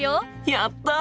やった！